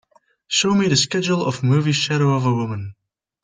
show me the schedule of movie Shadow of a Woman